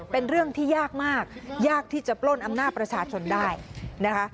เป็นเรื่องที่ยากมากยากที่จะปล้นอำนาจประชาชนได้นะคะ